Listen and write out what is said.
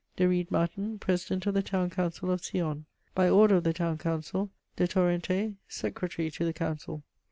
"DE RIEDMATTEN, "President of the Town Council of Sion. "By order of the Town Council: "DE TORRENTÉ, "Secretary to the Council."